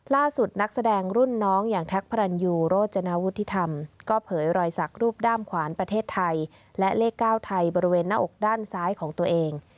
นักแสดงรุ่นน้องอย่างแท็กพระรันยูโรจนาวุฒิธรรมก็เผยรอยสักรูปด้ามขวานประเทศไทยและเลข๙ไทยบริเวณหน้าอกด้านซ้ายของตัวเอง